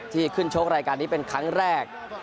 ที่ขึ้นชกรายการนี้เป็นครั้งแรก